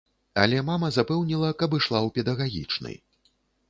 Але мама запэўніла, каб ішла ў педагагічны.